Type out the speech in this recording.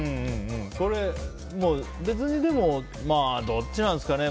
これ、別にまあ、どっちなんですかね。